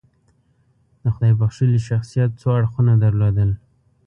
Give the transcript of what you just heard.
د خدای بښلي شخصیت څو اړخونه لرل.